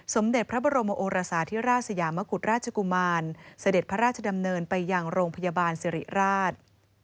สมเด็จพระบรมโอรสาธิราชสยามกุฎราชกุมารเสด็จพระราชดำเนินไปยังโรงพยาบาลสิริราช